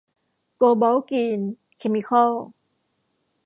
โกลบอลกรีนเคมิคอล